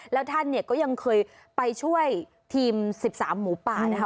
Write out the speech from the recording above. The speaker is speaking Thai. แล้วท่านเนี่ยก็ยังเคยไปช่วยทีม๑๓หมูป่านะคะ